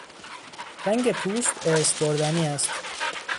رنگ پوست ارث بردنی است.